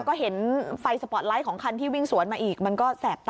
ก็เห็นไฟสปอร์ตไลท์ของคันที่วิ่งสวนมาอีกมันก็แสบตา